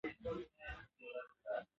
شفافې پریکړې د خلکو باور زیاتوي.